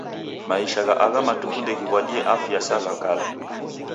Maisha gha agha matuku ndeghiw'adie afya sa gha kala.